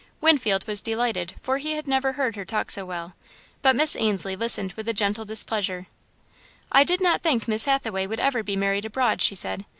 Winfield was delighted, for he had never heard her talk so well, but Miss Ainslie listened with gentle displeasure. "I did not think Miss Hathaway would ever be married abroad," she said.